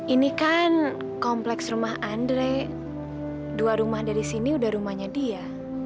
ini kan kompleks rumah andre dua rumah dari sini udah rumahnya dia